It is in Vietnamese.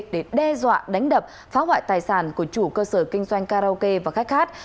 để đe dọa đánh đập phá hoại tài sản của chủ cơ sở kinh doanh karaoke và khách hát